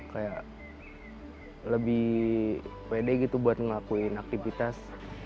kayak lebih pede gitu buat ngelakuin aktivitas